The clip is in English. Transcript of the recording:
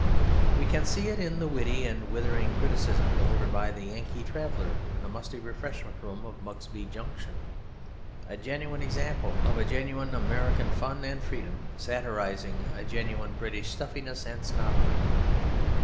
We can see it in the witty and withering criticism delivered by the Yankee traveller in the musty refreshment room of Mugby Junction; a genuine example of a genuinely American fun and freedom satirising a genuinely British stuffiness and snobbery.